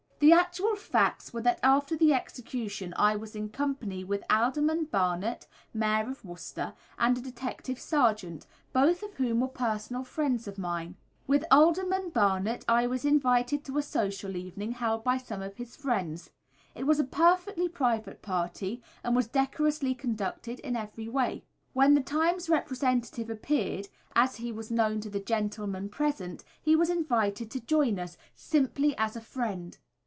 The actual facts were that after the execution I was in company with Alderman Barnet, Mayor of Worcester, and a detective sergeant, both of whom were personal friends of mine. With Alderman Barnet I was invited to a social evening held by some of his friends. It was a perfectly private party, and was decorously conducted in every way. When the Times representative appeared, as he was known to the gentlemen present, he was invited to join us, simply as a friend.